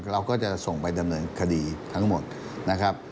เราก็จะส่งไปดำเนินคดีทั้งหมดนะครับ